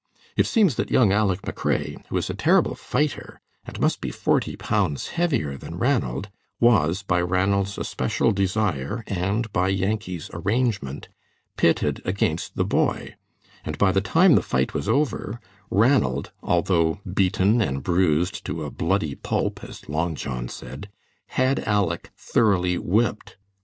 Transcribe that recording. It seems that young Aleck McRae, who is a terrible fighter, and must be forty pounds heavier than Ranald, was, by Ranald's especial desire and by Yankee's arrangement, pitted against the boy, and by the time the fight was over, Ranald, although beaten and bruised to a 'bloody pulp,' as Long John said, had Aleck thoroughly whipped.